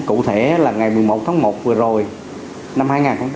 cụ thể là ngày một mươi một tháng một vừa rồi năm hai nghìn hai mươi